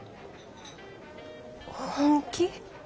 本気？